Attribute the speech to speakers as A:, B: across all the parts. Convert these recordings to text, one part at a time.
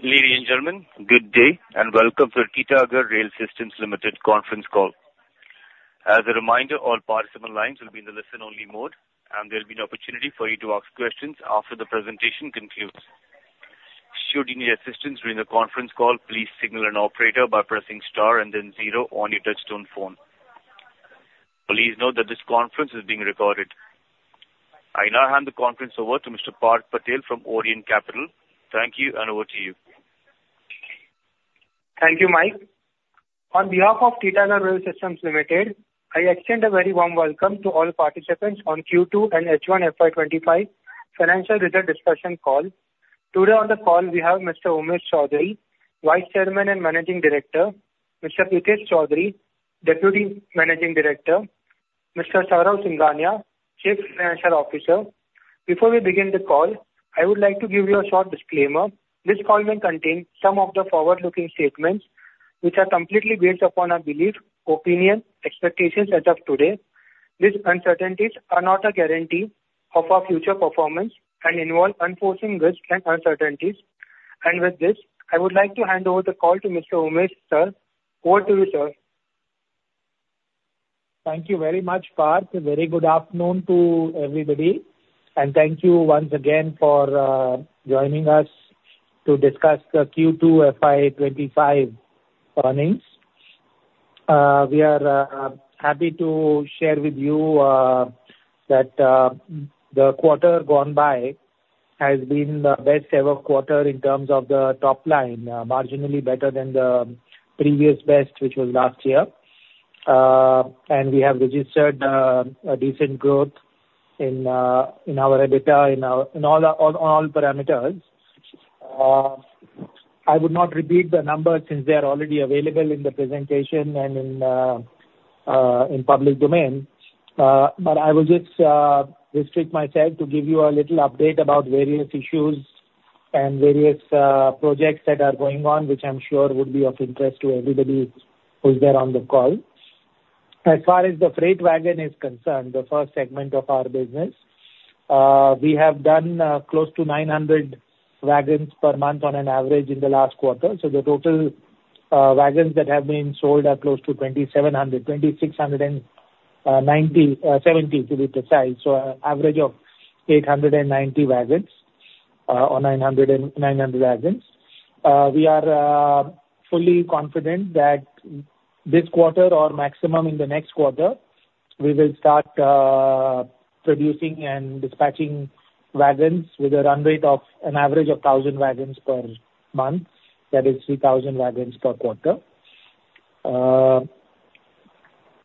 A: Ladies and gentlemen, good day, and welcome to Titagarh Rail Systems Limited conference call. As a reminder, all participant lines will be in the listen-only mode, and there'll be an opportunity for you to ask questions after the presentation concludes. Should you need assistance during the conference call, please signal an operator by pressing star and then zero on your touchtone phone. Please note that this conference is being recorded. I now hand the conference over to Mr. Parth Patel from Orient Capital. Thank you, and over to you.
B: Thank you, Mike. On behalf of Titagarh Rail Systems Limited, I extend a very warm welcome to all participants on Q2 and H1 FY twenty-five financial result discussion call. Today on the call, we have Mr. Umesh Chowdhary, Vice Chairman and Managing Director, Mr. Prithish Chowdhary, Deputy Managing Director, Mr. Saurav Singhania, Chief Financial Officer. Before we begin the call, I would like to give you a short disclaimer. This call may contain some of the forward-looking statements, which are completely based upon our belief, opinion, expectations as of today. These uncertainties are not a guarantee of our future performance and involve unforeseen risks and uncertainties. And with this, I would like to hand over the call to Mr. Umesh, sir. Over to you, sir.
C: Thank you very much, Parth. A very good afternoon to everybody, and thank you once again for joining us to discuss the Q2 FY twenty-five earnings. We are happy to share with you that the quarter gone by has been the best ever quarter in terms of the top line, marginally better than the previous best, which was last year. And we have registered a decent growth in our EBITDA on all parameters. I would not repeat the numbers since they are already available in the presentation and in public domain. But I will just restrict myself to give you a little update about various issues and various projects that are going on, which I'm sure would be of interest to everybody who's there on the call. As far as the freight wagon is concerned, the first segment of our business, we have done close to nine hundred wagons per month on an average in the last quarter. So the total wagons that have been sold are close to twenty-seven hundred, twenty-six hundred and ninety-seven, to be precise, so an average of eight hundred and ninety wagons, or nine hundred wagons. We are fully confident that this quarter or maximum in the next quarter, we will start producing and dispatching wagons with a run rate of an average of thousand wagons per month. That is three thousand wagons per quarter.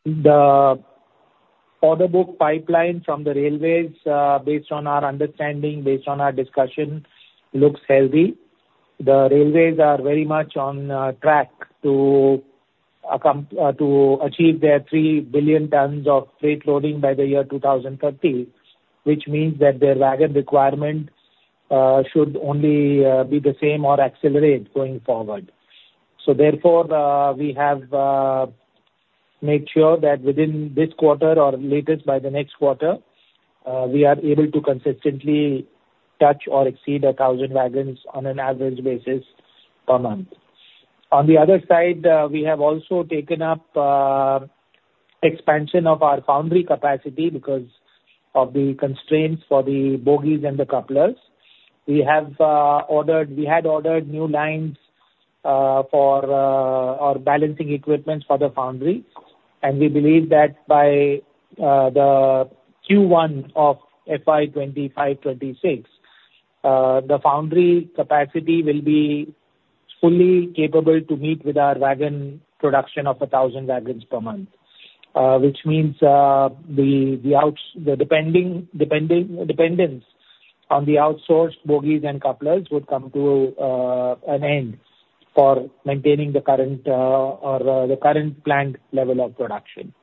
C: The order book pipeline from the railways, based on our understanding, based on our discussion, looks healthy. The railways are very much on track to achieve their 3 billion tons of freight loading by the year 2030, which means that their wagon requirement should only be the same or accelerate going forward. So therefore, we have made sure that within this quarter or latest by the next quarter, we are able to consistently touch or exceed 1,000 wagons on an average basis per month. On the other side, we have also taken up expansion of our foundry capacity because of the constraints for the bogies and the couplers. We have ordered-- We had ordered new lines for our balancing equipment for the foundry, and we believe that by the Q1 of FY twenty-five twenty-six, the foundry capacity will be fully capable to meet with our wagon production of a thousand wagons per month. Which means, the dependence on the outsourced bogies and couplers would come to an end for maintaining the current planned level of production.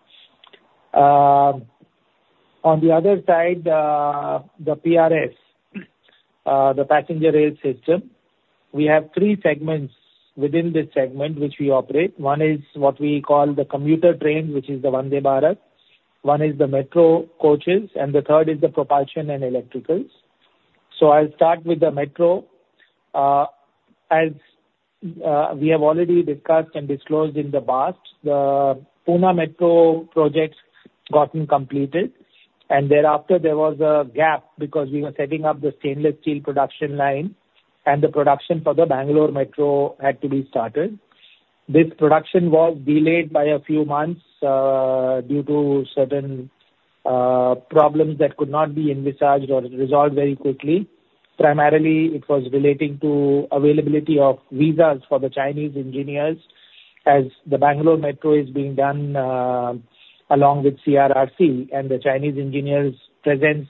C: On the other side, the PRS, the passenger rail system, we have three segments within this segment, which we operate. One is what we call the commuter train, which is the Vande Bharat. One is the Metro coaches, and the third is the propulsion and electricals. So I'll start with the Metro. As we have already discussed and disclosed in the past, the Pune Metro projects gotten completed, and thereafter there was a gap because we were setting up the stainless steel production line, and the production for the Bangalore Metro had to be started. This production was delayed by a few months, due to certain problems that could not be envisaged or resolved very quickly. Primarily, it was relating to availability of visas for the Chinese engineers, as the Bangalore Metro is being done, along with CRRC, and the Chinese engineers' presence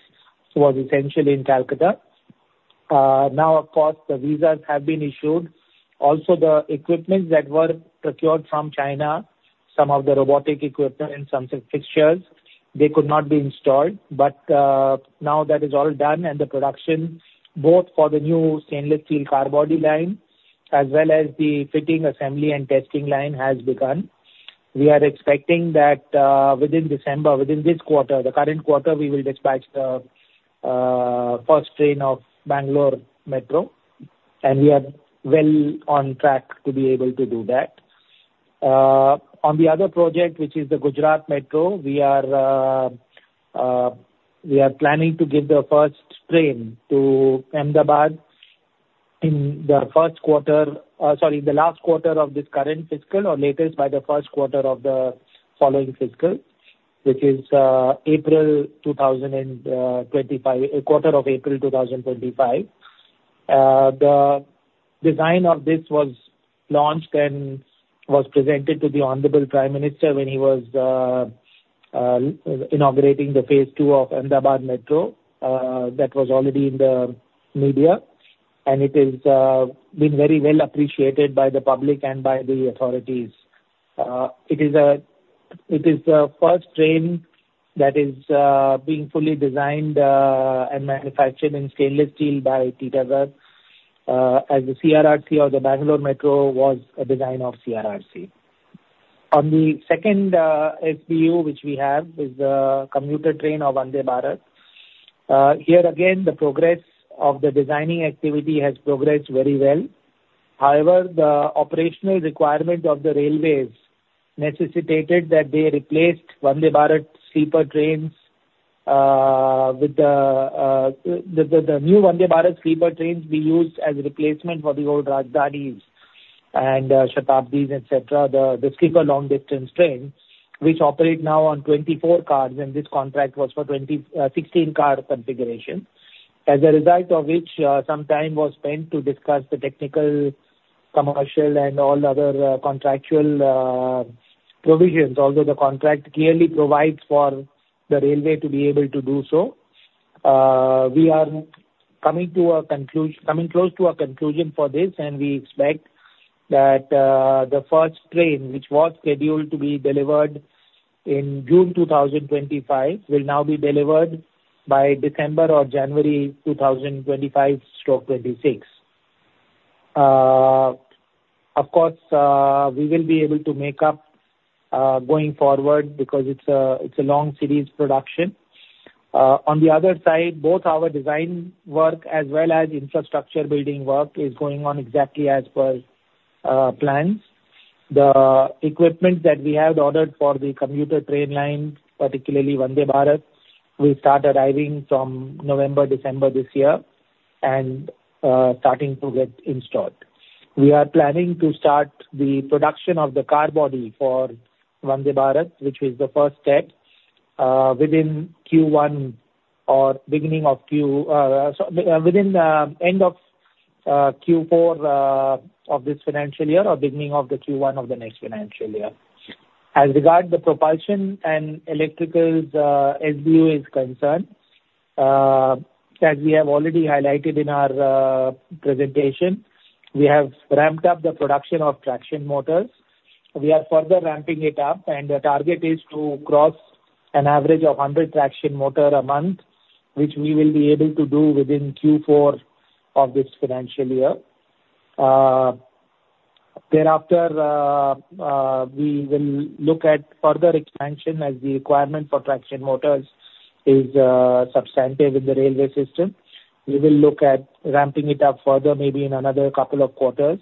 C: was essential in Calcutta. Now, of course, the visas have been issued. Also, the equipments that were procured from China, some of the robotic equipment and some fixtures, they could not be installed. But, now that is all done, and the production, both for the new stainless steel car body line, as well as the fitting, assembly, and testing line, has begun. We are expecting that, within December, within this quarter, the current quarter, we will dispatch the first train of Bangalore Metro, and we are well on track to be able to do that. On the other project, which is the Gujarat Metro, we are planning to give the first train to Ahmedabad in the first quarter, sorry, the last quarter of this current fiscal, or latest by the first quarter of the following fiscal, which is April two thousand and twenty-five, quarter of April two thousand twenty-five. The design of this was launched and was presented to the Honorable Prime Minister when he was inaugurating the phase two of Ahmedabad Metro. That was already in the media, and it is been very well appreciated by the public and by the authorities. It is the first train that is being fully designed and manufactured in stainless steel by Titagarh, as the CRRC or the Bangalore Metro was a design of CRRC. On the second SBU, which we have, is the commuter train of Vande Bharat. Here again, the progress of the designing activity has progressed very well. However, the operational requirement of the railways necessitated that they replaced Vande Bharat sleeper trains with the new Vande Bharat sleeper trains be used as a replacement for the old Rajdhanis and Shatabdis, etc. The sleeper long-distance trains, which operate now on 24 cars, and this contract was for 16 car configuration. As a result of which, some time was spent to discuss the technical, commercial, and all other contractual provisions, although the contract clearly provides for the railway to be able to do so. We are coming close to a conclusion for this, and we expect that the first train, which was scheduled to be delivered in June 2025, will now be delivered by December or January 2025-26. Of course, we will be able to make up going forward because it's a long series production. On the other side, both our design work as well as infrastructure building work is going on exactly as per plans. The equipment that we have ordered for the commuter train line, particularly Vande Bharat, will start arriving from November, December this year, and starting to get installed. We are planning to start the production of the car body for Vande Bharat, which is the first step, within Q1 or beginning of Q1, so within the end of Q4 of this financial year or beginning of the Q1 of the next financial year. As regards the propulsion and electrical SBU is concerned, as we have already highlighted in our presentation, we have ramped up the production of traction motors. We are further ramping it up, and the target is to cross an average of 100 traction motors a month, which we will be able to do within Q4 of this financial year. Thereafter, we will look at further expansion as the requirement for traction motors is substantive in the railway system. We will look at ramping it up further, maybe in another couple of quarters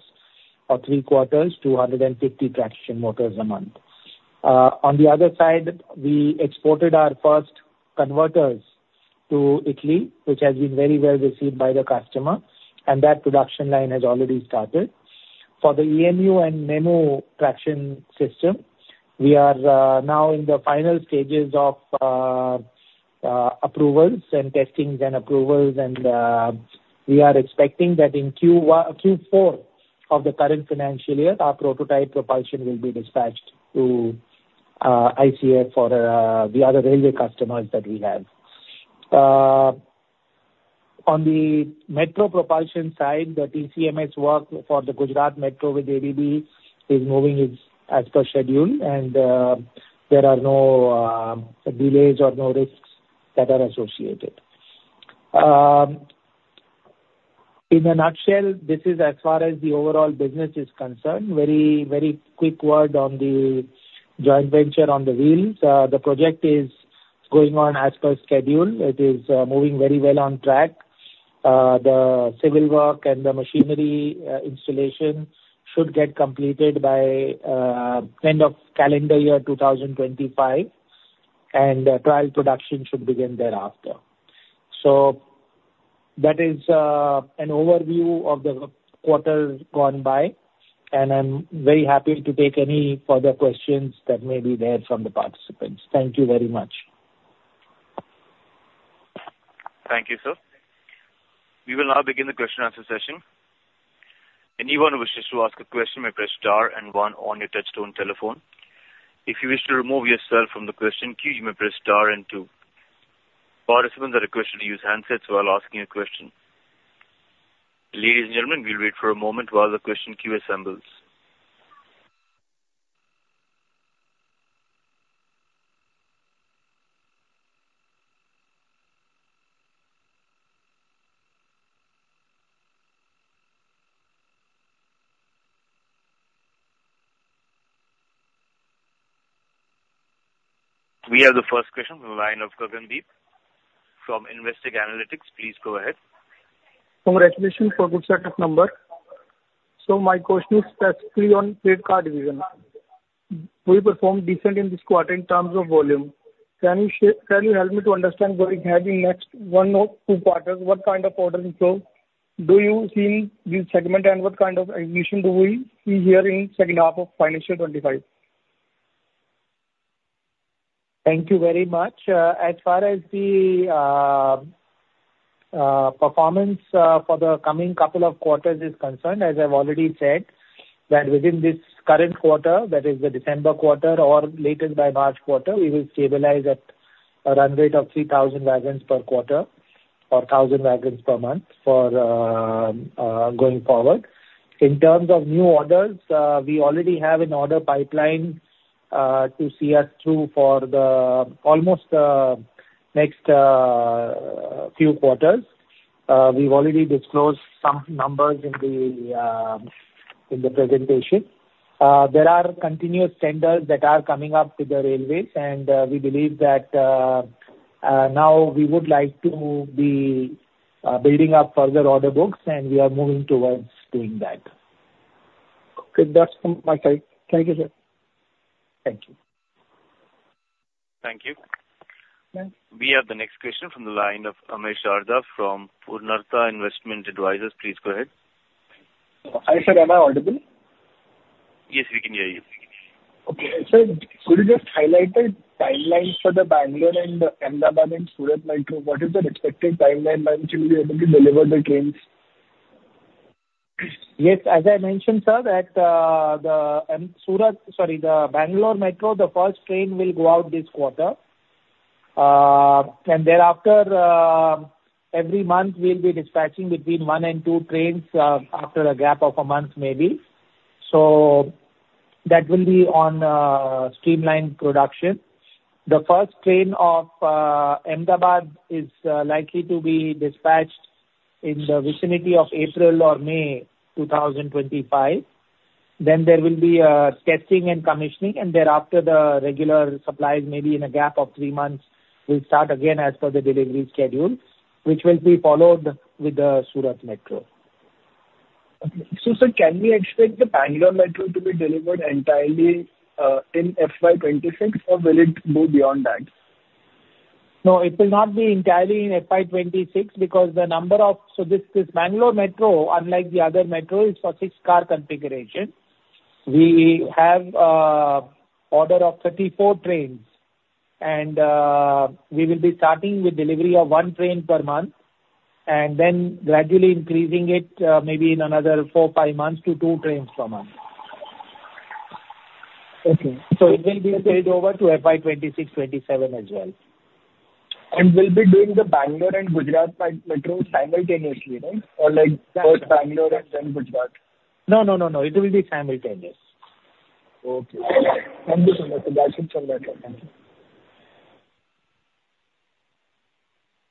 C: or three quarters to 150 traction motors a month. On the other side, we exported our first converters to Italy, which has been very well received by the customer, and that production line has already started. For the EMU and MEMU traction system, we are now in the final stages of approvals and testing and approvals, and we are expecting that in Q1, Q4 of the current financial year, our prototype propulsion will be dispatched to ICF for the other railway customers that we have. On the metro propulsion side, the TCMS work for the Gujarat Metro with ABB is moving as per schedule, and there are no delays or no risks that are associated. In a nutshell, this is as far as the overall business is concerned. Very, very quick word on the joint venture on the wheels. The project is going on as per schedule. It is moving very well on track. The civil work and the machinery installation should get completed by end of calendar year two thousand twenty-five, and trial production should begin thereafter. So that is an overview of the quarter gone by, and I'm very happy to take any further questions that may be there from the participants. Thank you very much.
A: Thank you, sir. We will now begin the question and answer session. Anyone who wishes to ask a question may press star and one on your touchtone telephone. If you wish to remove yourself from the question queue, you may press star and two. Participants are requested to use handsets while asking a question. Ladies and gentlemen, we'll wait for a moment while the question queue assembles. We have the first question from the line of Kavandeep from Investec. Please go ahead. Congratulations for good set of numbers. So my question is specifically on freight car division. We performed decent in this quarter in terms of volume. Can you help me to understand what we have in next one or two quarters? What kind of orders in flow do you see in this segment, and what kind of ignition do we see here in second half of financial twenty-five?
C: Thank you very much. As far as the performance for the coming couple of quarters is concerned, as I've already said, that within this current quarter, that is the December quarter or latest by March quarter, we will stabilize at a run rate of 3,000 wagons per quarter or 1,000 wagons per month for going forward. In terms of new orders, we already have an order pipeline to see us through for almost the next few quarters. We've already disclosed some numbers in the presentation. There are continuous tenders that are coming up to the railways, and we believe that now we would like to be building up further order books, and we are moving towards doing that. Okay. That's my time. Thank you, sir. Thank you.
A: Thank you. Thank you. We have the next question from the line of Amish Darja from Purnartha Investment Advisers. Please go ahead.
D: Hi, sir. Am I audible?
A: Yes, we can hear you.
D: Okay. Sir, could you just highlight the timelines for the Bangalore and Ahmedabad and Surat metro? What is the expected timeline by which you'll be able to deliver the trains?
C: Yes, as I mentioned, sir, at the Bangalore Metro, the first train will go out this quarter, and thereafter every month, we'll be dispatching between one and two trains after a gap of a month, maybe, so that will be on streamlined production. The first train of Ahmedabad is likely to be dispatched in the vicinity of April or May two thousand twenty-five, then there will be testing and commissioning, and thereafter the regular supplies, maybe in a gap of three months, will start again as per the delivery schedule, which will be followed with the Surat Metro.
D: Okay. So, sir, can we expect the Bangalore Metro to be delivered entirely in FY 2026, or will it go beyond that?
C: No, it will not be entirely in FY twenty-six. So this Bangalore Metro, unlike the other metros, is for six car configuration. We have order of thirty-four trains, and we will be starting with delivery of one train per month, and then gradually increasing it, maybe in another four, five months to two trains per month.
D: Okay. So it will be carried over to FY 2026, 2027 as well. And we'll be doing the Bangalore and Gujarat metro simultaneously, right? Or like, first Bangalore and then Gujarat.
C: No, no, no, no, it will be simultaneous.
D: Okay. Understandable. That's it from my side. Thank you.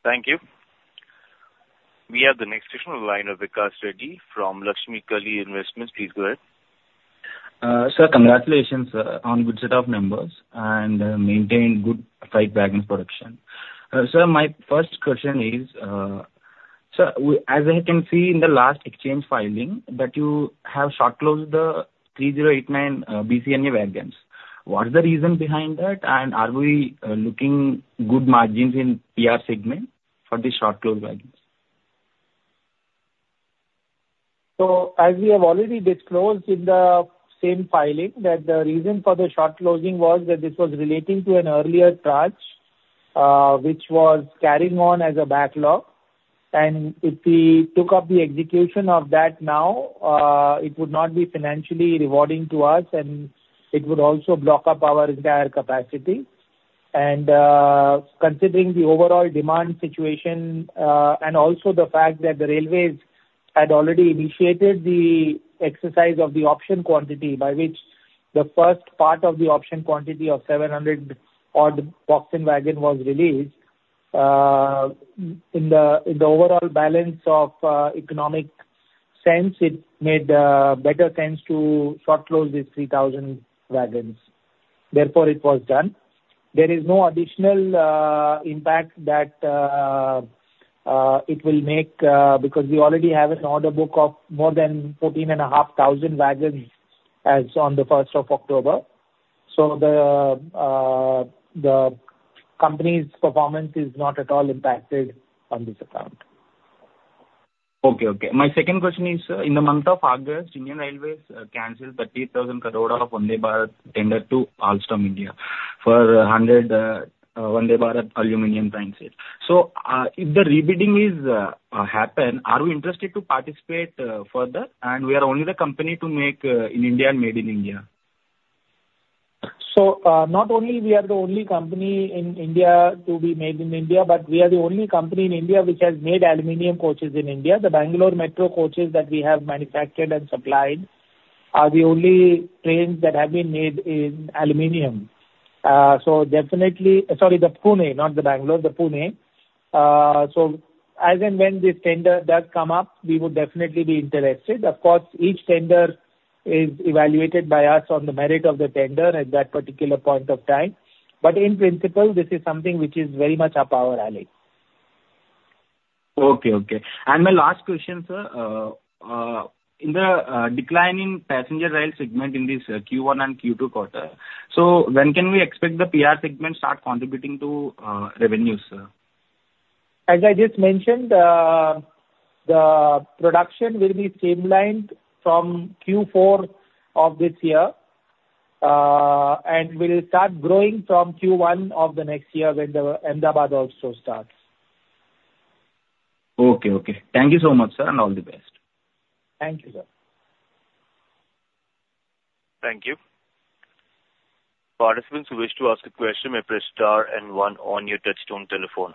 A: Thank you. We have the next question on the line of Vikas Reddy from Laxmi Capital. Please go ahead.
E: Sir, congratulations on good set of numbers and maintaining good pipe wagon production. Sir, my first question is, sir, as I can see in the last exchange filing, that you have short closed the 3089 BCNA wagons. What is the reason behind that, and are we looking good margins in PR segment for the short closed wagons?
C: So, as we have already disclosed in the same filing, that the reason for the short closing was that this was relating to an earlier charge, which was carrying on as a backlog, and if we took up the execution of that now, it would not be financially rewarding to us, and it would also block up our entire capacity. And, considering the overall demand situation, and also the fact that the railways had already initiated the exercise of the option quantity, by which the first part of the option quantity of 700-odd box wagons was released, in the overall balance of economic sense, it made better sense to short close these 3,000 wagons. Therefore, it was done. There is no additional impact that it will make, because we already have an order book of more than fourteen and a half thousand wagons as on the first of October. So the company's performance is not at all impacted on this account.
E: Okay, okay. My second question is, in the month of August, Indian Railways canceled 30,000 crore of Vande Bharat tender to Alstom India for 100 Vande Bharat aluminum train set. So, if the re-bidding is happen, are we interested to participate further? And we are only the company to make in India and made in India.
C: So, not only we are the only company in India to be made in India, but we are the only company in India which has made aluminum coaches in India. The Bangalore Metro coaches that we have manufactured and supplied are the only trains that have been made in aluminum. So definitely, sorry, the Pune, not the Bangalore, the Pune. So as and when this tender does come up, we would definitely be interested. Of course, each tender is evaluated by us on the merit of the tender at that particular point of time. But in principle, this is something which is very much up our alley.
E: Okay, okay. And my last question, sir, in the declining passenger rail segment in this Q1 and Q2 quarter, so when can we expect the PR segment start contributing to revenues, sir?
C: As I just mentioned, the production will be streamlined from Q4 of this year, and will start growing from Q1 of the next year when the Ahmedabad also starts.
E: Okay, okay. Thank you so much, sir, and all the best.
C: Thank you, sir.
A: Thank you. Participants who wish to ask a question may press star and one on your touch-tone telephone.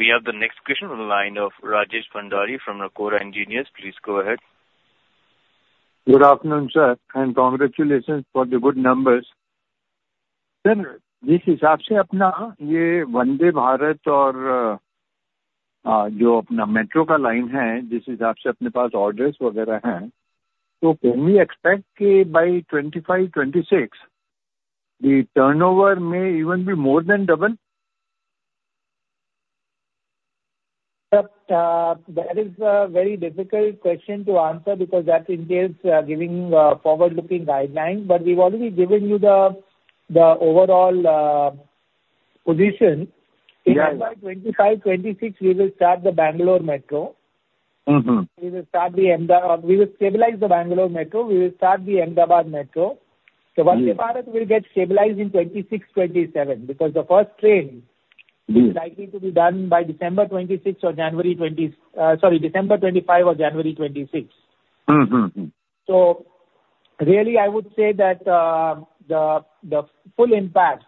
A: We have the next question on the line of Rajesh Bhandari from Racor Engineers. Please go ahead.
F: Good afternoon, sir, and congratulations for the good numbers. Sir, this is Vande Bharat or jo apna metro ka line hai, this is aap se apne pass orders wagaira hai, so can we expect ki by 2025, 2026, the turnover may even be more than double?
C: Sir, that is a very difficult question to answer because that entails giving forward-looking guideline. But we've already given you the overall position.
F: Yes.
C: In FY25, FY26, we will start the Bangalore Metro.
F: Mm-hmm.
C: We will start the Ahmedabad. We will stabilize the Bangalore Metro. We will start the Ahmedabad Metro.
F: Yes.
C: The Vande Bharat will get stabilized in twenty-six, twenty-seven, because the first train is likely to be done by December twenty-sixth or January twenty, sorry, December twenty-five or January twenty-sixth. So really, I would say that the full impact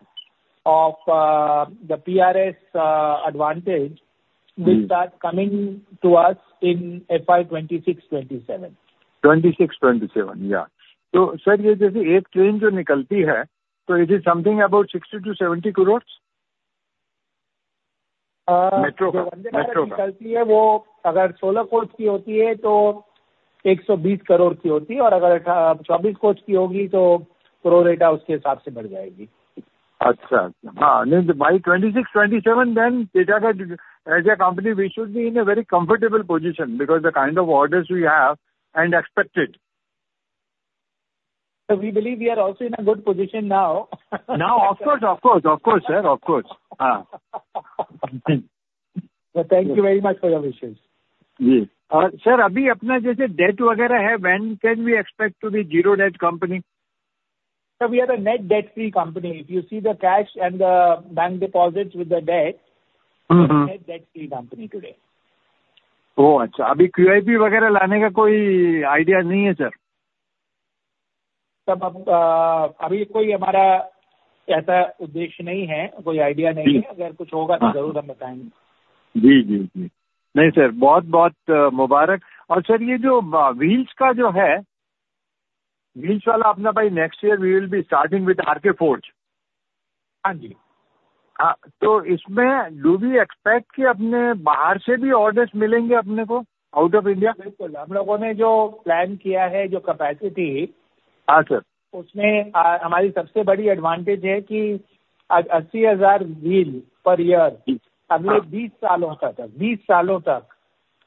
C: of the PRS advantage will start coming to us in FY 2026, 2027.
F: 26, 27, yeah.
C: So sir, this is a train jo nikalti hai, so is it something about ₹60-70 crores? Metro. metro nikalti hai, woh agar solar coach ki hoti hai, toh ek so bees crore ki hoti aur agar, chabis coach ki hogi, toh pro rata uske hisab se badh jayegi. Achha. Ha, by 2026, 2027, then Titagarh, as a company, we should be in a very comfortable position because the kind of orders we have and expected. Sir, we believe we are also in a good position now.
F: Now, of course, sir. Ha.
C: Thank you very much for your wishes. Ji. Sir, abhi apna jaisa debt wagaira hai, when can we expect to be zero debt company? Sir, we are a net debt-free company. If you see the cash and the bank deposits with the debt Net debt-free company today.
F: Oh, achha. Abhi QIP wagaira lane ka koi idea nahi hai, sir?
C: Sir, abhi koi humara aisa uddeshya nahi hai. Koi idea nahi hai. Agar kuch hoga toh zaroor hum batayenge.
F: Ji, ji, ji. Nahi sir, bahut, bahut mubarak. Aur sir, ye jo wheels ka jo hai, wheels wala apna by next year we will be starting with Ramkrishna Forgings.
C: Haanji.
F: Ha, toh isme do we expect ki apne bahar se bhi orders milenge apne ko, out of India?
C: Bilkul. Hum logon ne jo plan kiya hai, jo capacity-
F: Ha, sir.
C: Usme, hamari sabse badi advantage hai ki, asi hazaar wheel per year Agle bees saalon tak, bees saalon tak,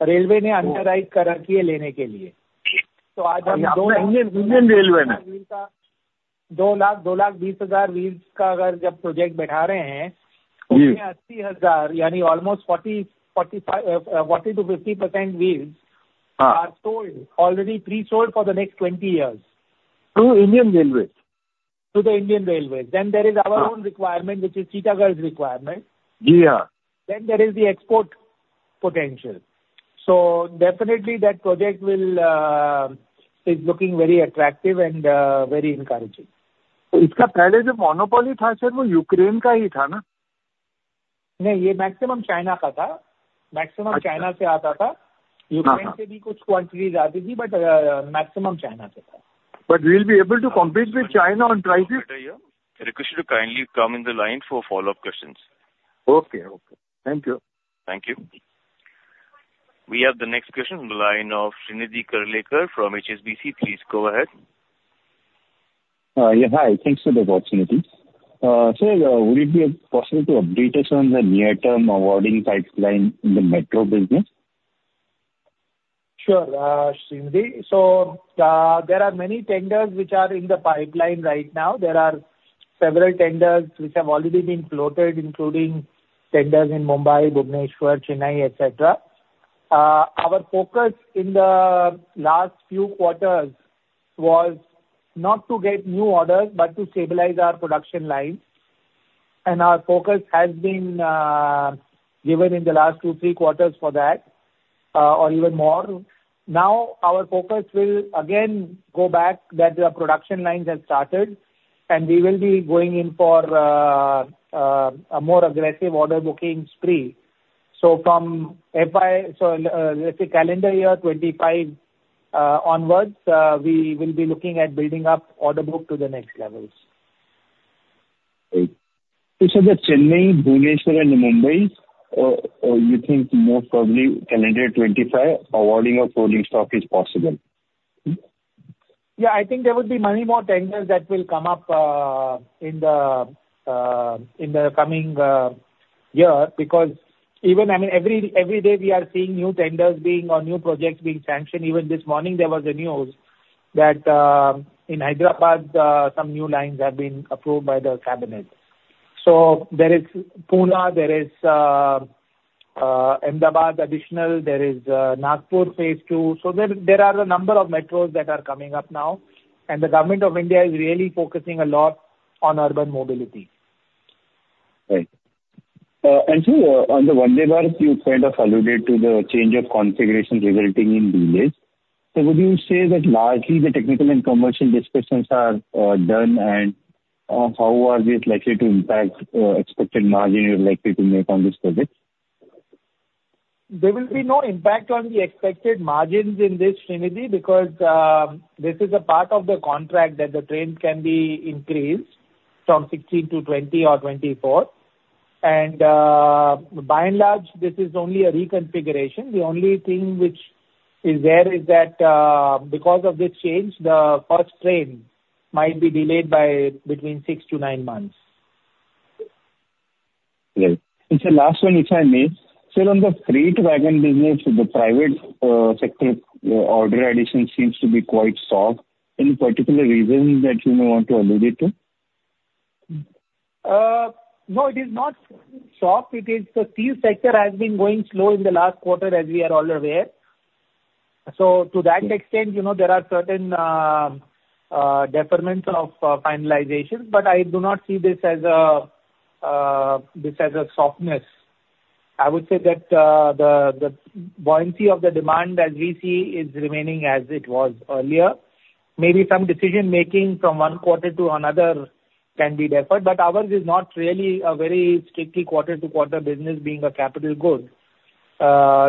C: railway ne authorized kari hai lene ke liye. Toh aaj hum-Indian, Indian Railways ne. Two lakh twenty thousand wheels ka agar jab project bitha rahe hain- Ji. Usme 80 hazar, yani almost 40, 45, 40%-50% wheels- Ha. are sold, already pre-sold for the next twenty years.
F: To Indian Railways?
C: To the Indian Railways. Then there is our own requirement, which is Titagarh's requirement. Then there is the export potential. So definitely that project will, is looking very attractive and, very encouraging.
F: Iska pehle jo monopoly tha, sir, woh Ukraine ka hi tha, na?
C: Nahi, ye maximum China ka tha. Maximum China se aata tha. Ukraine se bhi kuch quantities aa rahi thi, but maximum China se tha.
F: But we will be able to compete with China on prices?
A: I request you to kindly come on the line for follow-up questions.
F: Okay, okay. Thank you.
A: Thank you. We have the next question on the line of Srinidhi Karlekar from HSBC. Please go ahead.
G: Yeah, hi, thanks for the opportunity. Sir, would it be possible to update us on the near-term awarding pipeline in the Metro business?
C: Sure, Srini. So, there are many tenders which are in the pipeline right now. There are several tenders which have already been floated, including tenders in Mumbai, Bhubaneswar, Chennai, et cetera. Our focus in the last few quarters was not to get new orders, but to stabilize our production lines, and our focus has been given in the last two, three quarters for that, or even more. Now, our focus will again go back that the production lines have started, and we will be going in for a more aggressive order booking spree. So from FY25, so let's say calendar year 2025 onwards, we will be looking at building up order book to the next levels.
G: Great. So sir, the Chennai, Bhubaneswar and Mumbai, you think more probably calendar 2025, awarding of rolling stock is possible?
C: Yeah, I think there would be many more tenders that will come up in the coming year. Because even, I mean, every day we are seeing new tenders being or new projects being sanctioned. Even this morning, there was a news that in Hyderabad some new lines have been approved by the cabinet. So there is Pune, there is Ahmedabad additional, there is Nagpur phase two. So there are a number of metros that are coming up now, and the Government of India is really focusing a lot on urban mobility.
G: Right. And sir, on the Vande Bharat, you kind of alluded to the change of configuration resulting in delays. So would you say that largely the technical and commercial discussions are done, and how are they likely to impact expected margin you're likely to make on this project?
C: There will be no impact on the expected margins in this, Srinidhi, because this is a part of the contract that the train can be increased from 16 to 20 or 24. And, by and large, this is only a reconfiguration. The only thing which is there is that, because of this change, the first train might be delayed by between six to nine months.
G: Right. And sir, last one, if I may. Sir, on the freight wagon business, the private sector order addition seems to be quite soft. Any particular reason that you may want to allude to it?
C: No, it is not soft. It is the steel sector has been going slow in the last quarter, as we are all aware. So to that extent, you know, there are certain deferments of finalization, but I do not see this as a this as a softness. I would say that the buoyancy of the demand as we see is remaining as it was earlier. Maybe some decision-making from one quarter to another can be deferred, but ours is not really a very strictly quarter-to-quarter business, being a capital good.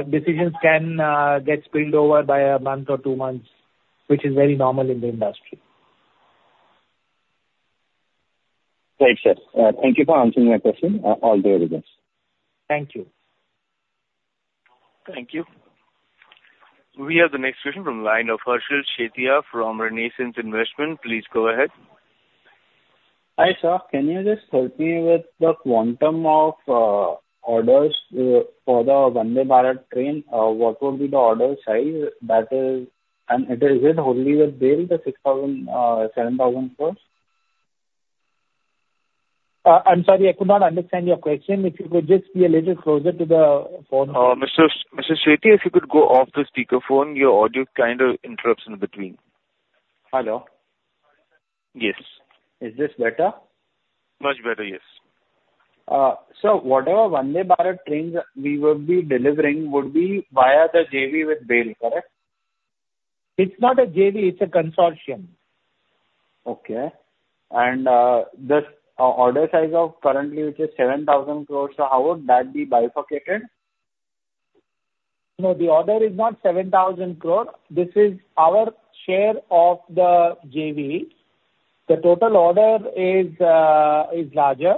C: Decisions can get spilled over by a month or two months, which is very normal in the industry.
G: Right, sir. Thank you for answering my question. All the best.
C: Thank you.
A: Thank you. We have the next question from the line of Harshal Sethia from Renaissance Investment. Please go ahead.
H: Hi, sir. Can you just help me with the quantum of orders for the Vande Bharat train? What will be the order size that is... And is it only with BHEL, the ₹6,000-7,000 crores?
C: I'm sorry, I could not understand your question. If you could just be a little closer to the phone.
H: Mr. Sethia, if you could go off the speaker phone, your audio kind of interrupts in between.
C: Hello? Yes.
H: Is this better?
C: Much better, yes.
H: So whatever Vande Bharat trains we will be delivering would be via the JV with BHEL, correct?
C: It's not a JV, it's a consortium.
H: Okay. And this order size, currently, which is ₹7,000 crores, so how would that be bifurcated?
C: No, the order is not ₹7,000 crore. This is our share of the JV. The total order is larger,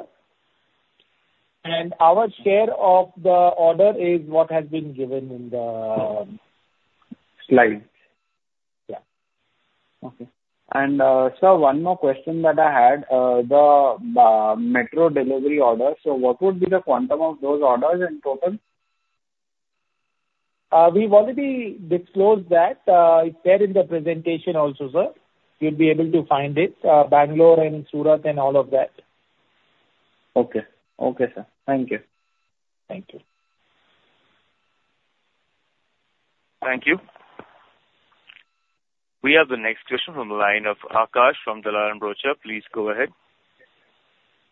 C: and our share of the order is what has been given in the Slides.
H: Yeah. Okay. And, sir, one more question that I had, the metro delivery order. So what would be the quantum of those orders in total?
C: We've already disclosed that. It's there in the presentation also, sir. You'll be able to find it, Bangalore and Surat and all of that.
H: Okay. Okay, sir. Thank you. Thank you.
A: Thank you. We have the next question from the line of Akash from Dalal & Broacha. Please go ahead.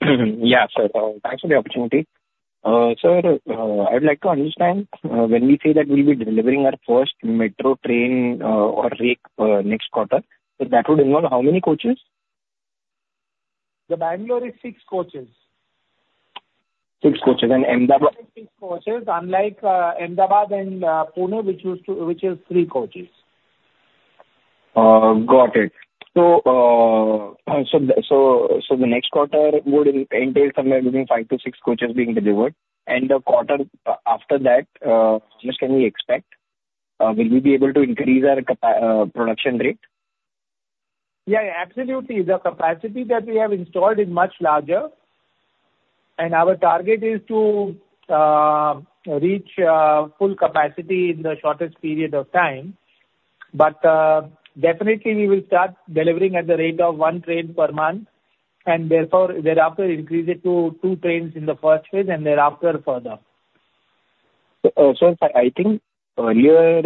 I: Yeah, sir. Thanks for the opportunity. Sir, I'd like to understand, when we say that we'll be delivering our first metro train, or rake, next quarter, so that would involve how many coaches?
C: The Bangalore is six coaches.
I: Six coaches, and Ahmedabad?
C: Six coaches, unlike Ahmedabad and Pune, which is three coaches.
I: Got it. So, the next quarter would entail somewhere between five to six coaches being delivered. And the quarter after that, just, can we expect, will we be able to increase our capacity, production rate?
C: Yeah, absolutely. The capacity that we have installed is much larger, and our target is to reach full capacity in the shortest period of time. But definitely we will start delivering at the rate of one train per month, and therefore, thereafter increase it to two trains in the first phase, and thereafter, further.
I: Sir, I think earlier,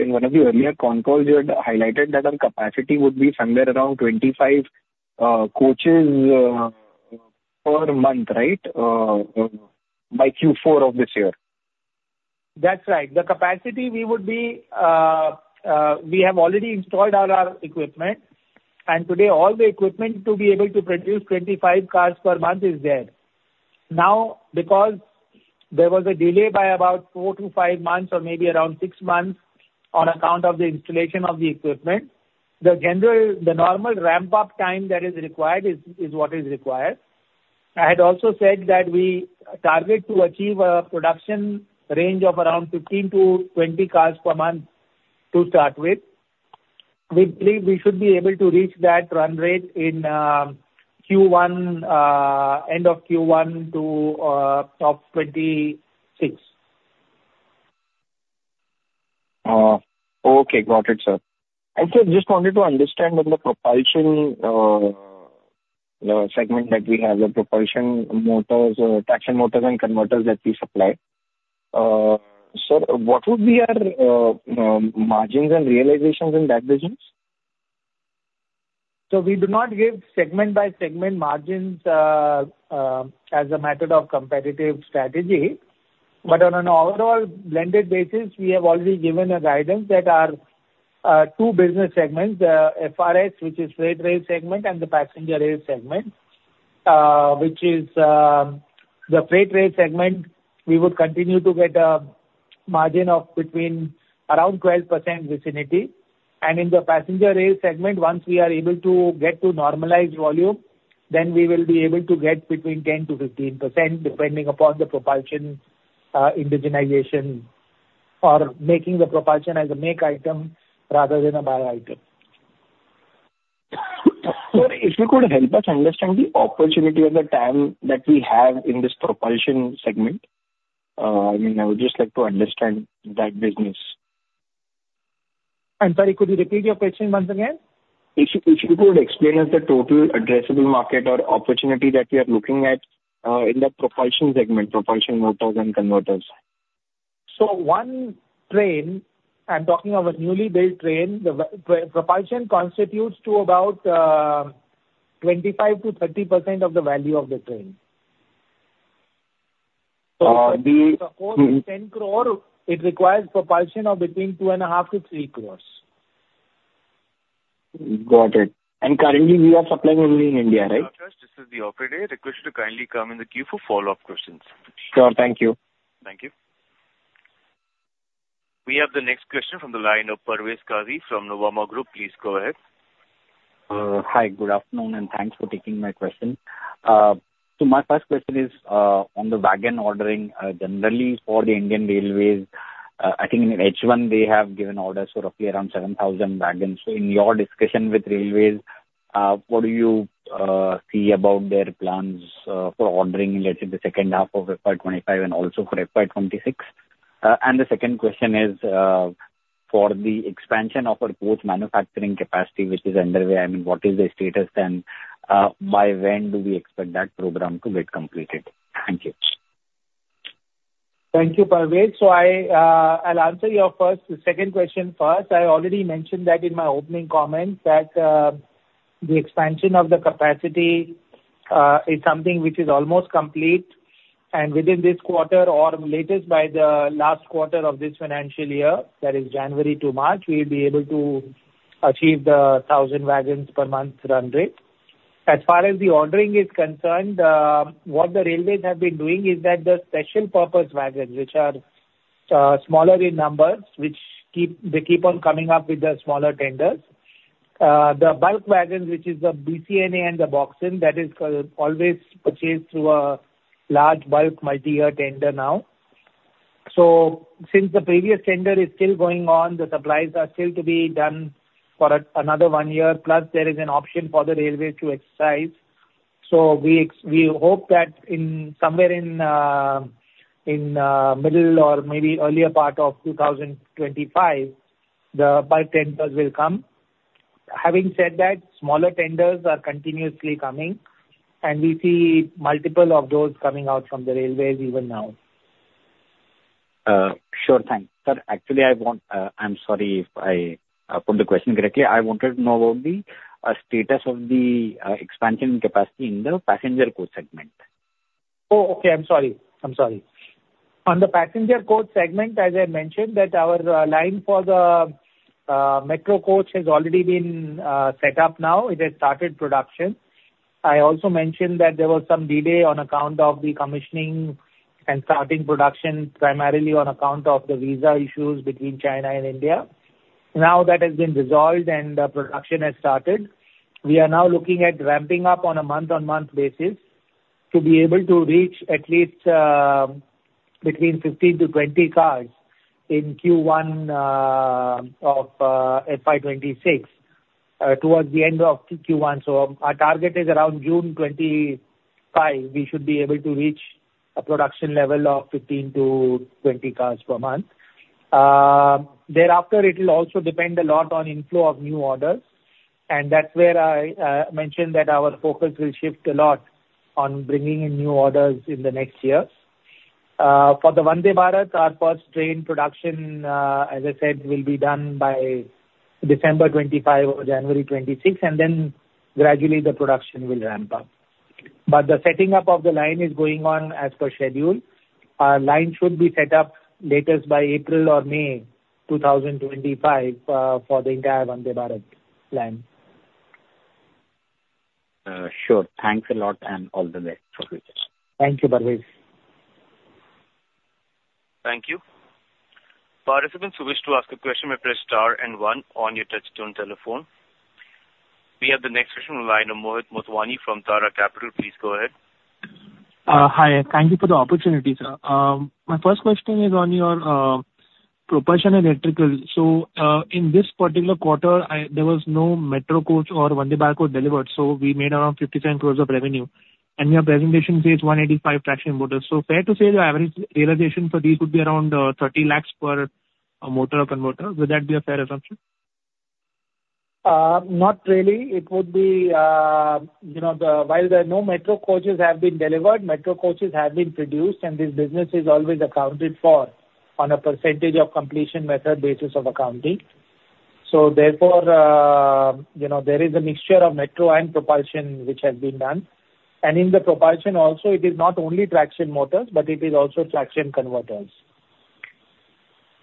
I: in one of the earlier concalls, you had highlighted that our capacity would be somewhere around twenty-five coaches per month, right? By Q4 of this year.
C: That's right. The capacity we would be, we have already installed all our equipment, and today, all the equipment to be able to produce 25 cars per month is there. Now, because there was a delay by about four to five months or maybe around six months on account of the installation of the equipment, the normal ramp-up time that is required is what is required. I had also said that we target to achieve a production range of around 15-20 cars per month to start with. We believe we should be able to reach that run rate in Q1, end of Q1 to top 2026.
I: Okay. Got it, sir. I just wanted to understand about the propulsion, the segment that we have, the propulsion motors, traction motors and converters that we supply. So what would be our margins and realizations in that business?
C: We do not give segment by segment margins, as a method of competitive strategy. But on an overall blended basis, we have already given a guidance that our two business segments, FRS, which is the freight rail segment and the passenger rail segment, we would continue to get a margin of between around 12% vicinity. And in the passenger rail segment, once we are able to get to normalized volume, then we will be able to get between 10%-15%, depending upon the propulsion indigenization or making the propulsion as a make item rather than a buy item.
I: Sir, if you could help us understand the opportunity or the TAM that we have in this propulsion segment. I mean, I would just like to understand that business.
C: I'm sorry, could you repeat your question once again?
I: If you could explain us the total addressable market or opportunity that we are looking at in the propulsion segment, propulsion motors and converters.
C: One train, I'm talking of a newly built train, the Vande propulsion constitutes to about 25%-30% of the value of the train.₹10 crore, it requires propulsion of between ₹2.5-3 crores.
I: Got it, and currently we are supplying only in India, right?
A: This is the operator. Request you to kindly come in the queue for follow-up questions.
I: Sure. Thank you.
A: Thank you. We have the next question from the line of Parvez Qazi from Nuvama Group. Please go ahead.
J: Hi, good afternoon, and thanks for taking my question. So my first question is, on the wagon ordering, generally for the Indian Railways, I think in H1, they have given orders for roughly around seven thousand wagons. So in your discussion with Railways, what do you see about their plans, for ordering, let's say, the second half of FY 2025 and also for FY 2026? And the second question is, for the expansion of our coach manufacturing capacity, which is underway, I mean, what is the status then? By when do we expect that program to get completed? Thank you.
C: Thank you, Parvez. So I, I'll answer your first-second question first. I already mentioned that in my opening comments, that, the expansion of the capacity, is something which is almost complete, and within this quarter or latest by the last quarter of this financial year, that is January to March, we'll be able to achieve the thousand wagons per month run rate. As far as the ordering is concerned, what the railways have been doing is that the special purpose wagons, which are smaller in numbers, which keep, they keep on coming up with the smaller tenders. The bulk wagons, which is the BCNA and the BOXN, that is now always purchased through a large bulk multi-year tender now. So since the previous tender is still going on, the supplies are still to be done for another one year, plus there is an option for the railway to exercise. So we hope that in somewhere in middle or maybe earlier part of two thousand twenty-five, the bulk tenders will come. Having said that, smaller tenders are continuously coming, and we see multiple of those coming out from the railways even now.
J: Sure. Thanks. Sir, actually, I want, I'm sorry if I put the question correctly. I wanted to know about the status of the expansion capacity in the passenger coach segment.
C: Oh, okay. I'm sorry. I'm sorry. On the passenger coach segment, as I mentioned, that our line for the metro coach has already been set up now. It has started production. I also mentioned that there was some delay on account of the commissioning and starting production, primarily on account of the visa issues between China and India. Now that has been resolved and the production has started. We are now looking at ramping up on a month-on-month basis to be able to reach at least between fifteen to twenty cars in Q1 of FY twenty-six towards the end of Q1. So our target is around June 2025, we should be able to reach a production level of fifteen to twenty cars per month. Thereafter, it will also depend a lot on inflow of new orders, and that's where I mentioned that our focus will shift a lot on bringing in new orders in the next years. For the Vande Bharat, our first train production, as I said, will be done by December twenty-five or January twenty-six, and then gradually the production will ramp up. But the setting up of the line is going on as per schedule. Our line should be set up latest by April or May, two thousand and twenty-five, for the entire Vande Bharat plan.
J: Sure. Thanks a lot, and all the best for future.
C: Thank you, Parvez.
A: Thank you. Participants who wish to ask a question may press star and one on your touchtone telephone. We have the next question on the line of Mohit Motwani from Tara Capital. Please go ahead.
K: Hi, thank you for the opportunity, sir. My first question is on your propulsion and electrical. So, in this particular quarter, there was no metro coach or Vande Bharat coach delivered, so we made around ₹57 crores of revenue, and your presentation says 185 traction motors. So fair to say the average realization for these would be around ₹30 lakhs per motor or converter? Would that be a fair assumption?
C: Not really. It would be, you know, while there are no metro coaches have been delivered, metro coaches have been produced, and this business is always accounted for on a percentage of completion method basis of accounting. So therefore, you know, there is a mixture of metro and propulsion which has been done, and in the propulsion also, it is not only traction motors, but it is also traction converters.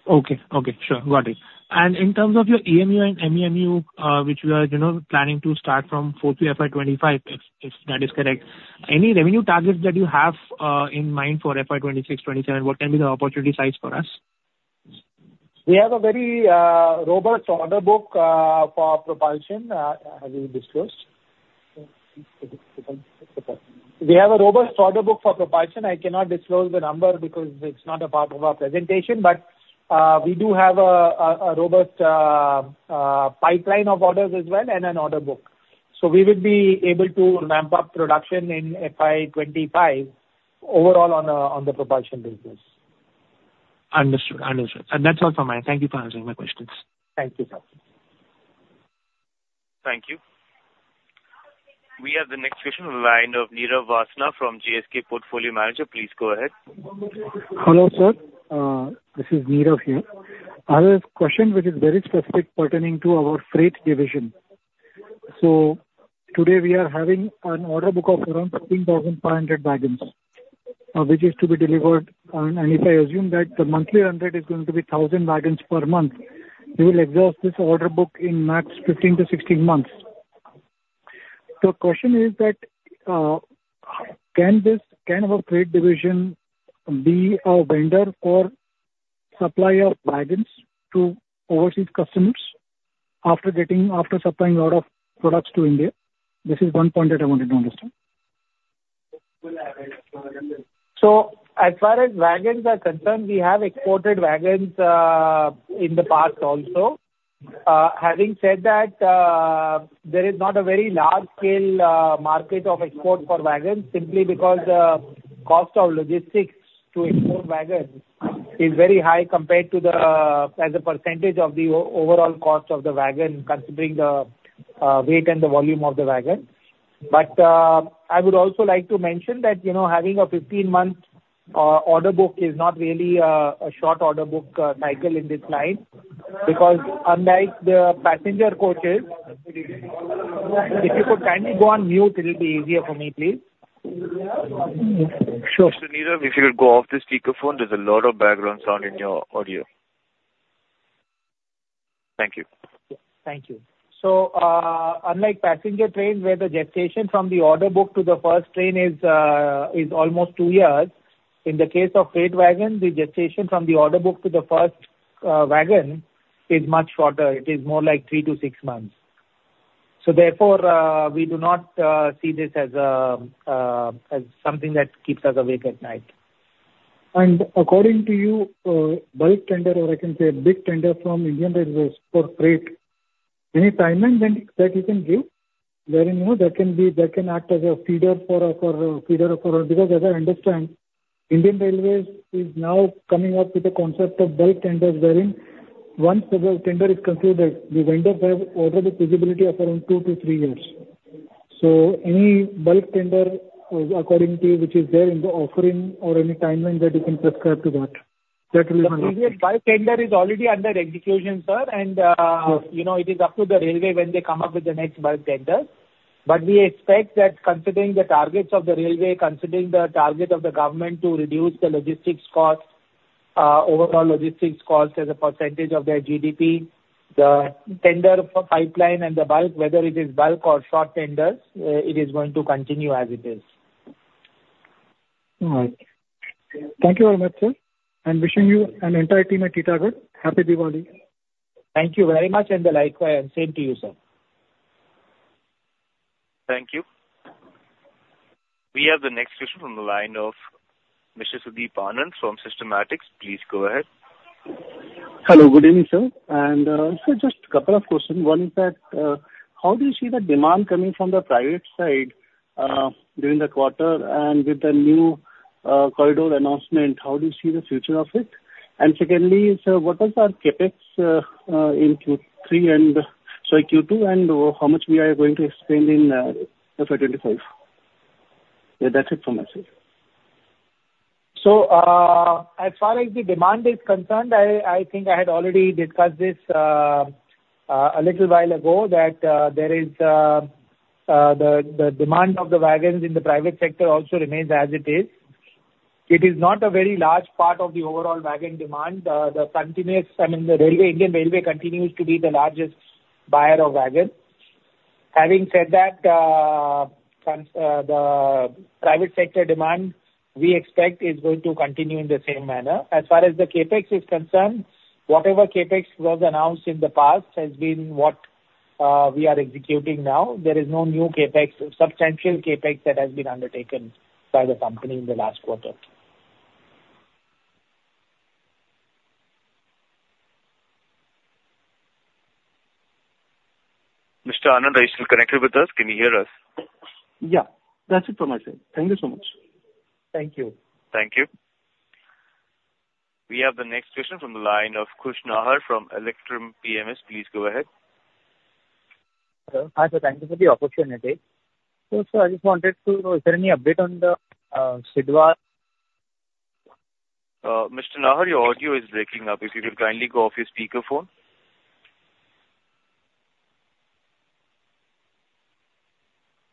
K: Okay. Okay, sure. Got it. And in terms of your EMU and MEMU, which you are, you know, planning to start from fourth year FY twenty-five, if that is correct, any revenue targets that you have in mind for FY twenty-six, twenty-seven? What can be the opportunity size for us?
C: We have a very robust order book for propulsion as we disclosed. We have a robust order book for propulsion. I cannot disclose the number because it's not a part of our presentation, but we do have a robust pipeline of orders as well and an order book. So we will be able to ramp up production in FY twenty-five overall on the propulsion business.
K: Understood. Understood. And that's all from me. Thank you for answering my questions.
C: Thank you, sir.
A: Thank you. We have the next question on the line of Neeraj Vasna from ASK Investment Managers, Portfolio Manager. Please go ahead.
L: Hello, sir. This is Neeraj here. I have a question which is very specific pertaining to our freight division. Today, we are having an order book of around thirteen thousand five hundred wagons, which is to be delivered on, and if I assume that the monthly earned rate is going to be thousand wagons per month, we will exhaust this order book in max fifteen to sixteen months. Question is that, can our freight division be a vendor for supplier wagons to overseas customers after getting, after supplying lot of products to India? This is one point that I wanted to understand.
C: So as far as wagons are concerned, we have exported wagons in the past also. Having said that, there is not a very large-scale market of export for wagons, simply because the cost of logistics to export wagons is very high compared to the, as a percentage of the overall cost of the wagon, considering the weight and the volume of the wagon. But I would also like to mention that, you know, having a fifteen-month order book is not really a short order book cycle in this line. Because unlike the passenger coaches... If you could kindly go on mute, it'll be easier for me, please.
L: Sure.
A: Neeraj, if you could go off the speaker phone, there's a lot of background sound in your audio. Thank you.
L: Thank you. So, unlike passenger trains, where the gestation from the order book to the first train is almost two years, in the case of freight wagons, the gestation from the order book to the first wagon is much shorter. It is more like three to six months. So therefore, we do not see this as something that keeps us awake at night.
C: According to you, bulk tender, or I can say a big tender from Indian Railways for freight, any timeline then that you can give, wherein, you know, that can be, that can act as a feeder for a feeder for a... Because as I understand, Indian Railways is now coming up with a concept of bulk tenders, wherein once the bulk tender is concluded, the vendors have order visibility of around two to three years. So any bulk tender, according to you, which is there in the offering or any timeline that you can prescribe to that, that will be my question. The previous bulk tender is already under execution, sir. You know, it is up to the railway when they come up with the next bulk tender. But we expect that considering the targets of the railway, considering the target of the government to reduce the logistics costs, overall logistics costs as a percentage of their GDP, the tender for pipeline and the bulk, whether it is bulk or short tenders, it is going to continue as it is.
L: All right. Thank you very much, sir, and wishing you and entire team at Titagarh, Happy Diwali!
C: Thank you very much, and likewise, and same to you, sir.
A: Thank you. We have the next question from the line of Mr. Sudeep Anand from Systematix. Please go ahead.
M: Hello, good evening, sir. And, so just a couple of questions. One is that, how do you see the demand coming from the private side, during the quarter? And with the new, corridor announcement, how do you see the future of it? And secondly, sir, what was our CapEx in Q3 and, sorry, Q2, and how much we are going to spend in FY twenty-five? Yeah, that's it from my side.
C: So, as far as the demand is concerned, I think I had already discussed this a little while ago, that there is the demand of the wagons in the private sector also remains as it is. It is not a very large part of the overall wagon demand. The continuous, I mean, the railway, Indian Railways continues to be the largest buyer of wagons. Having said that, the private sector demand, we expect is going to continue in the same manner. As far as the CapEx is concerned, whatever CapEx was announced in the past has been what we are executing now. There is no new CapEx, substantial CapEx, that has been undertaken by the company in the last quarter.
A: Mr. Anand, are you still connected with us? Can you hear us?
M: Yeah. That's it from my side. Thank you so much.
C: Thank you.
A: Thank you. We have the next question from the line of Khush Nahar from Electrum PMS. Please go ahead.
N: Hi, sir, thank you for the opportunity. So sir, I just wanted to know, is there any update on the Sidwal?
A: Mr. Nahar, your audio is breaking up. If you could kindly go off your speaker phone?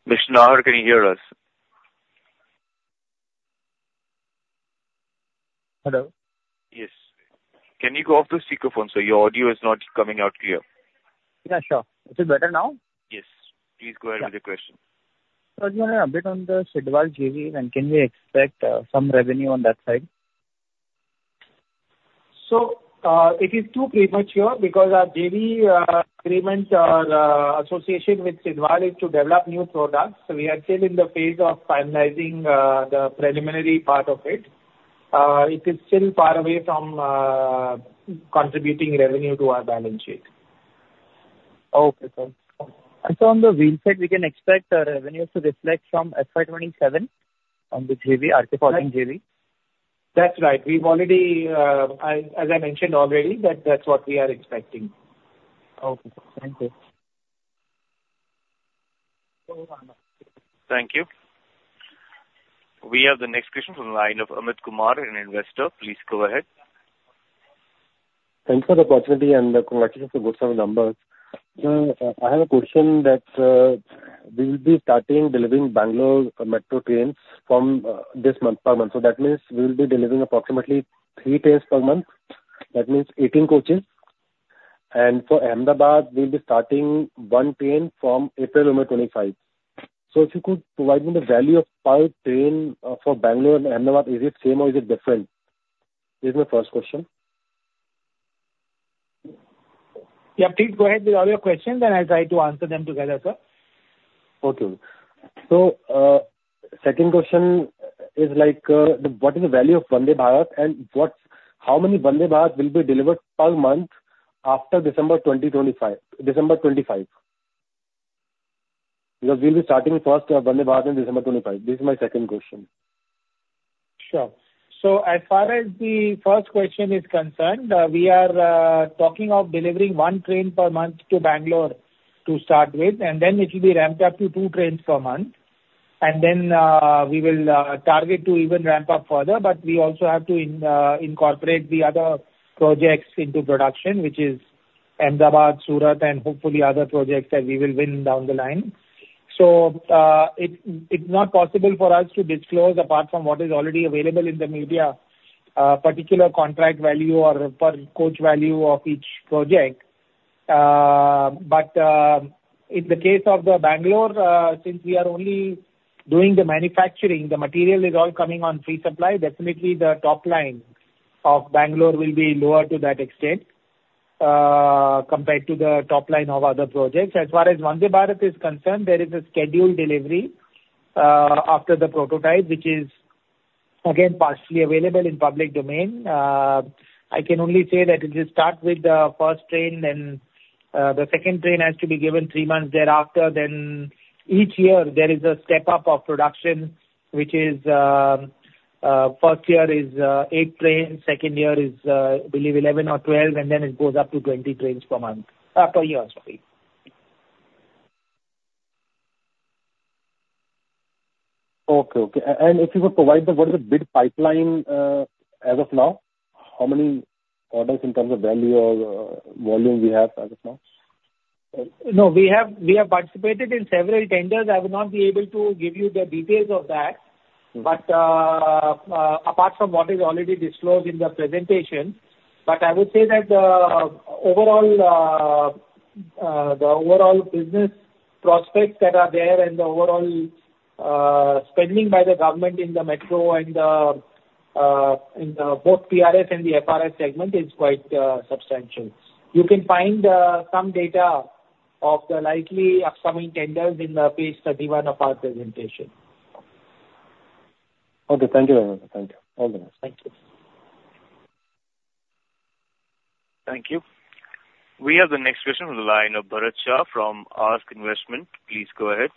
A: Mr. Nahar, can you hear us?
N: Hello?
A: Yes. Can you go off the speakerphone, sir? Your audio is not coming out clear.
N: Yeah, sure. Is it better now?
A: Yes. Please go ahead with your question.
N: Sir, do you have an update on the Sidwal JV, and can we expect some revenue on that side?
C: So, it is too premature because our JV agreement or association with Sidwal is to develop new products. So we are still in the phase of finalizing the preliminary part of it. It is still far away from contributing revenue to our balance sheet.
N: Okay, sir. And so on the wheel set, we can expect the revenues to reflect from FY 2027 on the JV, RKFL JV?
C: That's right. We've already, as I mentioned already, that that's what we are expecting.
N: Okay. Thank you.
A: Thank you. We have the next question from the line of Amit Kumar, an investor. Please go ahead. Thanks for the opportunity. So I have a question that we will be starting delivering Bangalore metro trains from this month, per month. So that means we'll be delivering approximately 3 trains per month, that means 18 coaches. And for Ahmedabad, we'll be starting one train from April 2025. So if you could provide me the value of per train for Bangalore and Ahmedabad, is it same or is it different? This is my first question.
C: Yeah, please go ahead with all your questions, and I'll try to answer them together, sir. Okay. Second question is like, what is the value of Vande Bharat, and how many Vande Bharat will be delivered per month after December 2025? Because we'll be starting first Vande Bharat in December 2025. This is my second question. Sure. So as far as the first question is concerned, we are talking of delivering one train per month to Bangalore to start with, and then it'll be ramped up to two trains per month. And then, we will target to even ramp up further, but we also have to incorporate the other projects into production, which is Ahmedabad, Surat and hopefully other projects that we will win down the line. So, it's not possible for us to disclose, apart from what is already available in the media, a particular contract value or per coach value of each project. But, in the case of the Bangalore, since we are only doing the manufacturing, the material is all coming on free supply. Definitely, the top line of Bangalore will be lower to that extent, compared to the top line of other projects. As far as Vande Bharat is concerned, there is a scheduled delivery, after the prototype, which is again, partially available in public domain. I can only say that it will start with the first train, then, the second train has to be given three months thereafter. Then each year there is a step-up of production, which is, first year is, eight trains, second year is, I believe 11 or 12, and then it goes up to 20 trains per month, per year, sorry. Okay, okay. If you could provide the what is the bid pipeline as of now? How many orders in terms of value or volume we have as of now? No, we have participated in several tenders. I would not be able to give you the details of that. Apart from what is already disclosed in the presentation, but I would say that the overall business prospects that are there and the overall spending by the government in the metro and in both PRS and FRS segments is quite substantial. You can find some data of the likely upcoming tenders on page 31 of our presentation. Okay. Thank you very much. Thank you. All the best. Thank you.
A: Thank you. We have the next question from the line of Bharat Shah from Ark Investment. Please go ahead.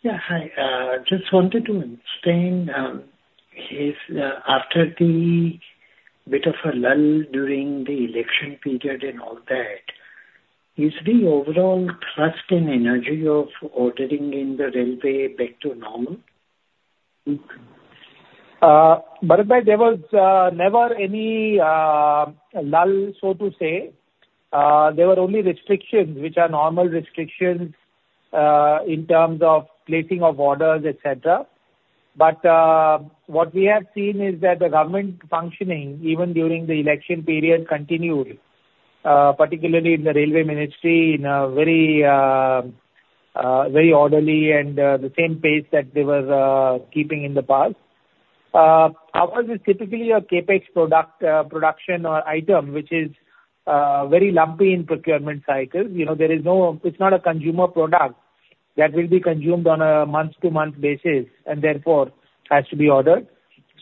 O: Yeah, hi. Just wanted to understand, if after the bit of a lull during the election period and all that, is the overall trust and energy of ordering in the railway back to normal?
C: Bharatbhai, there was never any lull, so to say. There were only restrictions, which are normal restrictions, in terms of placing of orders, et cetera. But what we have seen is that the government functioning, even during the election period, continued, particularly in the railway ministry, in a very orderly and the same pace that they was keeping in the past. Ours is typically a CapEx product, production or item, which is very lumpy in procurement cycles. You know, there is no. It's not a consumer product that will be consumed on a month-to-month basis, and therefore, has to be ordered.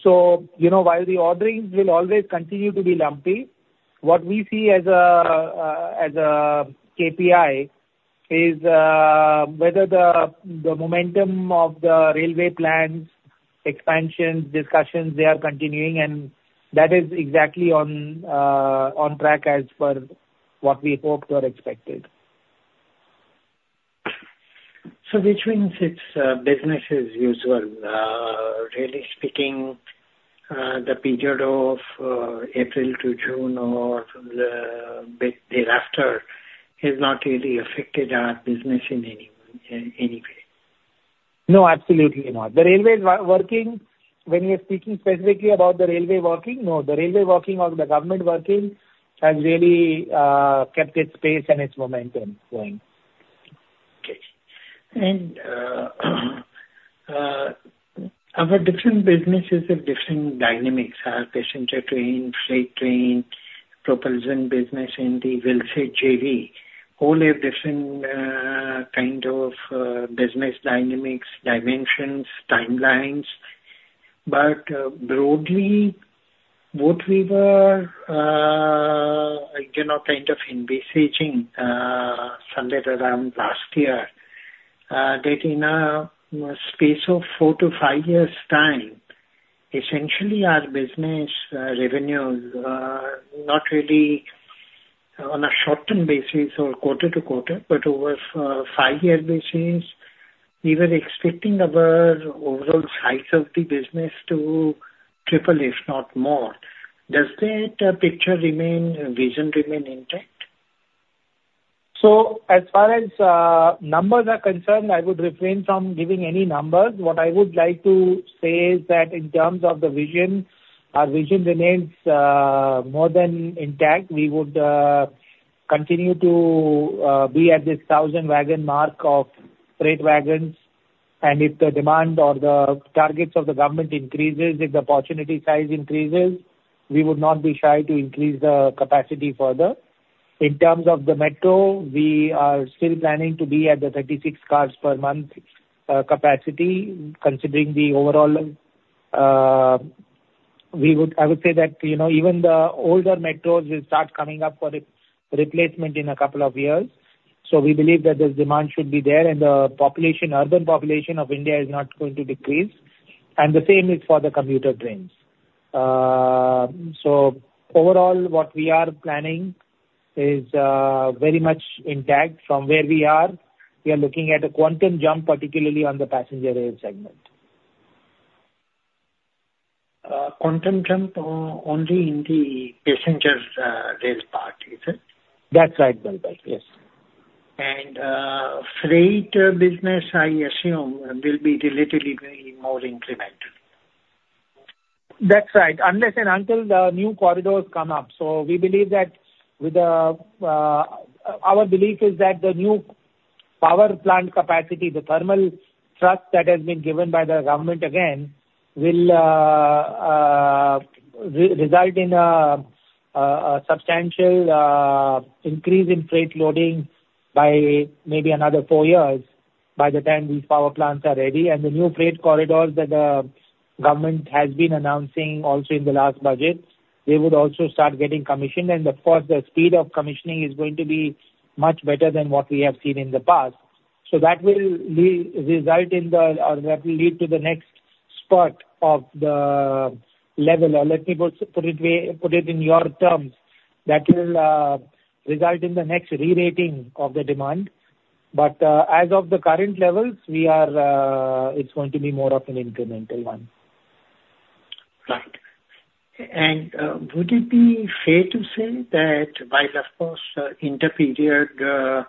C: So, you know, while the orderings will always continue to be lumpy, what we see as a KPI is whether the momentum of the railway plans, expansions, discussions, they are continuing, and that is exactly on track as per what we hoped or expected.
O: So which means it's business as usual. Really speaking, the period of April to June or the bit thereafter has not really affected our business in any way?
C: No, absolutely not. The railway is working. When you're speaking specifically about the railway working, no, the railway working or the government working has really kept its pace and its momentum going.
O: Okay. And, our different businesses have different dynamics, our passenger train, freight train, propulsion business in the railway JV, all have different, kind of, business dynamics, dimensions, timelines. But, broadly, what we were, you know, kind of envisaging, somewhere around last year, that in a space of four to five years' time, essentially our business, revenues are not really on a short-term basis or quarter to quarter, but over a five-year basis, we were expecting our overall size of the business to triple, if not more. Does that picture remain, vision remain intact?
C: So as far as, numbers are concerned, I would refrain from giving any numbers. What I would like to say is that in terms of the vision, our vision remains, more than intact. We would, continue to, be at this 1,000-wagon mark of freight wagons, and if the demand or the targets of the government increases, if the opportunity size increases, we would not be shy to increase the capacity further. In terms of the metro, we are still planning to be at the 36 cars per month, capacity, considering the overall. I would say that, you know, even the older metros will start coming up for replacement in a couple of years. So we believe that the demand should be there, and the population, urban population of India is not going to decrease, and the same is for the commuter trains. So overall, what we are planning is very much intact from where we are. We are looking at a quantum jump, particularly on the passenger rail segment. Quantum jump only in the passenger rail part, is it? That's right, Bharatbhai. Yes.
O: Freight business, I assume, will be relatively more incremental.
C: That's right. Unless and until the new corridors come up. Our belief is that the new power plant capacity, the thermal thrust that has been given by the government again, will result in a substantial increase in freight loading by maybe another four years, by the time these power plants are ready. The new freight corridors that the government has been announcing also in the last budget would also start getting commissioned. Of course, the speed of commissioning is going to be much better than what we have seen in the past. That will result in, or that will lead to the next part of the level, or let me put it this way, put it in your terms, that will result in the next re-rating of the demand. But, as of the current levels, we are,
O: it's going to be more of an incremental one. Right. And would it be fair to say that while, of course, interperiod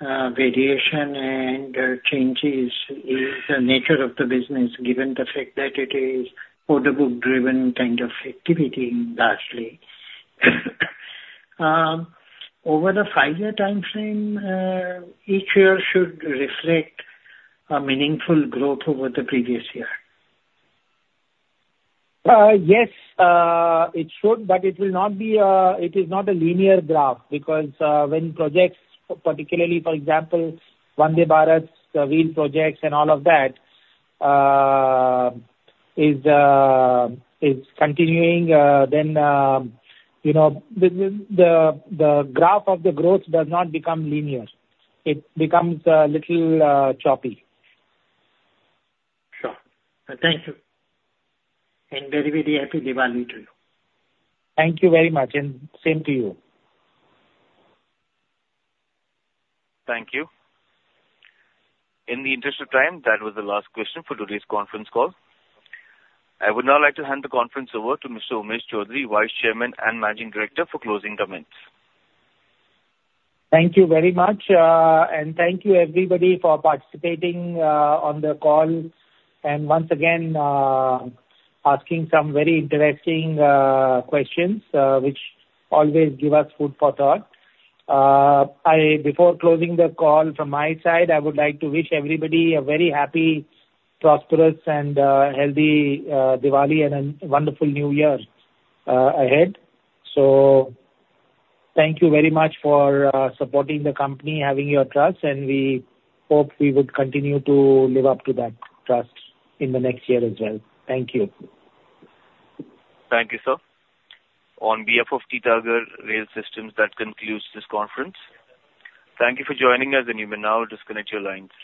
O: variation and changes is the nature of the business, given the fact that it is order book driven kind of activity, largely, over the five-year timeframe, each year should reflect a meaningful growth over the previous year?
C: Yes, it should, but it will not be. It is not a linear graph, because when projects, particularly, for example, Vande Bharat, the wheel projects and all of that, is continuing, then, you know, the graph of the growth does not become linear. It becomes little choppy.
O: Sure. Thank you. And very, very happy Diwali to you.
C: Thank you very much, and same to you.
A: Thank you. In the interest of time, that was the last question for today's conference call. I would now like to hand the conference over to Mr. Umesh Chowdhary, Vice Chairman and Managing Director, for closing comments.
C: Thank you very much, and thank you, everybody, for participating on the call, and once again asking some very interesting questions, which always give us food for thought. I, before closing the call from my side, I would like to wish everybody a very happy, prosperous, and healthy Diwali, and a wonderful New Year ahead. So thank you very much for supporting the company, having your trust, and we hope we would continue to live up to that trust in the next year as well. Thank you.
A: Thank you, sir. On behalf of Titagarh Rail Systems, that concludes this conference. Thank you for joining us, and you may now disconnect your lines.